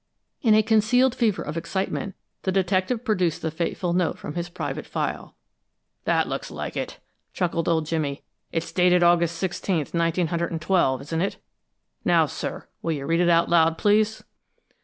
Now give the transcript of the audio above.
In a concealed fever of excitement, the detective produced the fateful note from his private file. "That looks like it!" chuckled old Jimmy. "It's dated August sixteenth, nineteen hundred and twelve, isn't it? Now, sir, will you read it out loud, please?"